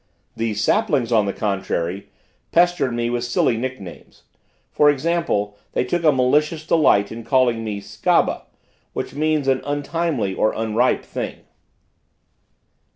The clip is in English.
These saplings, on the contrary, pestered me with silly nicknames. For example, they took a malicious delight in calling me Skabba, which means an untimely or unripe thing.